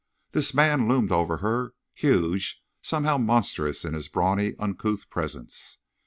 This man loomed over her, huge, somehow monstrous in his brawny uncouth presence.